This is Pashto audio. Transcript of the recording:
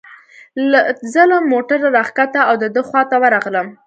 زه له موټره را کښته او د ده خواته ورغلم.